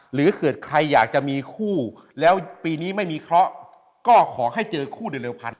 หรือเกิดใครอยากจะมีคู่แล้วปีนี้ไม่มีเคราะห์ก็ขอให้เจอคู่โดยเร็วพันธ